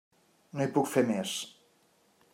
No hi puc fer més.